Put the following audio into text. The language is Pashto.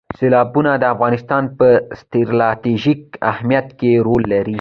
سیلابونه د افغانستان په ستراتیژیک اهمیت کې رول لري.